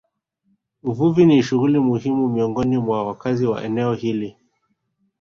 Uvuvi ni shughuli muhimu miongoni mwa wakazi wa eneo hili